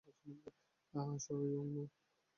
আসো, সাঙ্গেয়া।